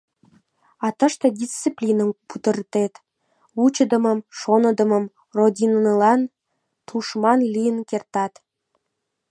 А тыште дисциплиным пудыртет — вучыдымым-шоныдымым Родинылан тушман лийын кертат...»